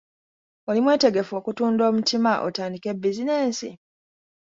Oli mwetegefu okutunda omutima otandike bizinensi?